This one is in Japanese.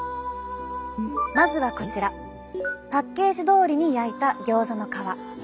まずはこちらパッケージどおりに焼いたギョーザの皮。